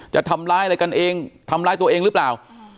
จะทำร้ายอะไรกันเองทำร้ายตัวเองหรือเปล่า